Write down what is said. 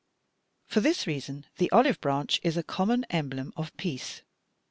For this reason the olive branch is a common emblem of peace.